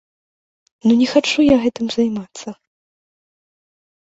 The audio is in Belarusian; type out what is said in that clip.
Ну не хачу я гэтым займацца.